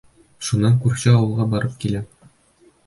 Шунан күрше ауылға барып киләм.